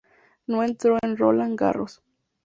No entró en Roland Garros.